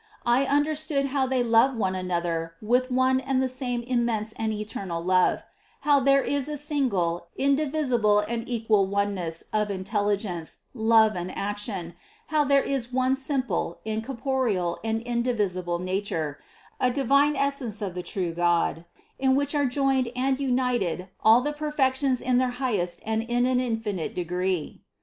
I understood how they love One another with one and the same immense and eternal love ; how there is a single, indivisible and equal oneness of intelligence, love and action, how there is one simple, incorporeal and indivisible nature, a divine essence of the true God, in which are joined and united all the perfec tions in their highest and in an infinite degree.